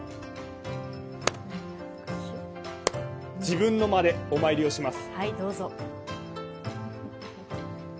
自分の間でお参りをします。